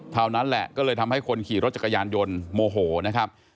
เท่านั้นแหละก็เลยทำให้คนขี่รถจักรยานยนต์โมโหนะครับ